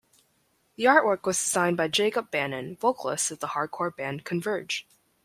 The artwork was designed by Jacob Bannon, vocalist of the hardcore band Converge.